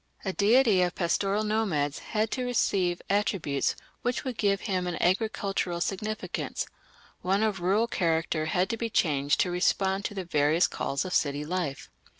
A deity of pastoral nomads had to receive attributes which would give him an agricultural significance; one of rural character had to be changed to respond to the various calls of city life.